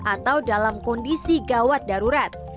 atau dalam kondisi gawat darurat